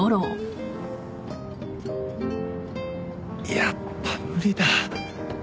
やっぱ無理だ。